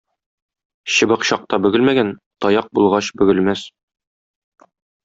Чыбык чакта бөгелмәгән, таяк булгач бөгелмәс.